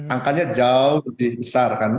angkanya jauh lebih besar kan